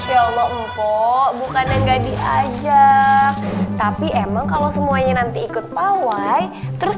ya allah empuk bukannya enggak diajak tapi emang kalau semuanya nanti ikut pawai terus